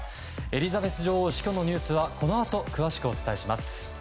エリザベス女王死去のニュースはこのあと、詳しくお伝えします。